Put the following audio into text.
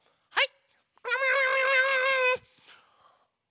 はい。